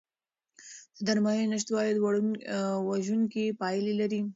د درملنې نشتوالی وژونکي پایلې لري.